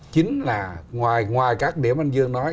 chính là ngoài các điểm anh dương nói